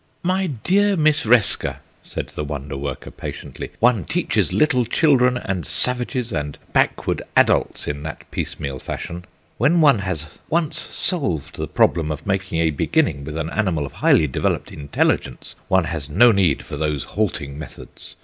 "My dear Miss Resker," said the wonderworker patiently, "one teaches little children and savages and backward adults in that piecemeal fashion; when one has once solved the problem of making a beginning with an animal of highly developed intelligence one has no need for those halting methods.